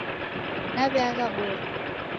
Naweagha boro